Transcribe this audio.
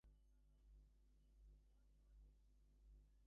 It is also threatened by logging for its timber.